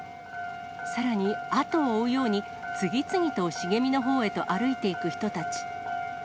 さらに、後を追うように次々と茂みのほうへと歩いていく人たち。